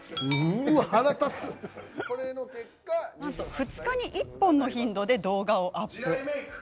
２日に１本の頻度で動画をアップ。